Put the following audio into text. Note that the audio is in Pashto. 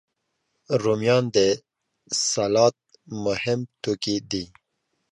رومیان د سلاد مهم توکي دي